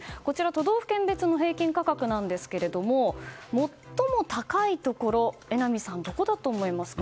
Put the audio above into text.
都道府県別の平均価格なんですが最も高いところ、榎並さんどこだと思いますか？